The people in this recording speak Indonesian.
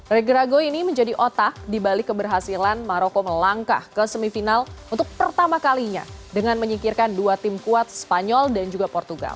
regrago ini menjadi otak dibalik keberhasilan maroko melangkah ke semifinal untuk pertama kalinya dengan menyingkirkan dua tim kuat spanyol dan juga portugal